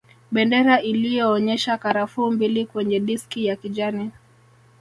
Bendera iliyoonyesha karafuu mbili kwenye diski ya kijani